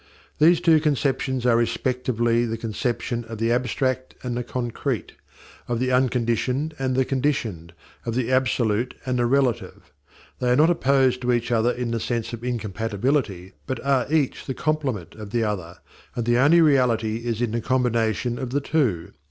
These two conceptions are respectively the conception of the abstract and the concrete, of the unconditioned and the conditioned, of the absolute and the relative. They are not opposed to each other in the sense of incompatibility, but are each the complement of the other, and the only reality is in the combination of the two.